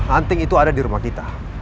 anting itu ada di rumah kita